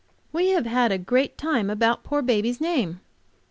We have had a great time about poor baby's name.